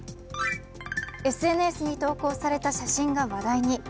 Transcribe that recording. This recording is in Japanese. ＳＮＳに投稿された写真が話題に。